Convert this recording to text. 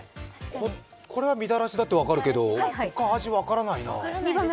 これはみたらしだって分かるけど、ほかは分からないな。